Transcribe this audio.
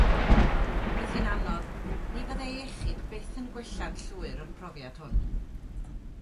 Roedd hi'n anodd; ni fyddai ei iechyd byth yn gwella'n llwyr o'r profiad hwn.